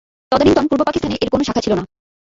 তদানীন্তন পূর্বপাকিস্তানে এর কোনো শাখা ছিল না।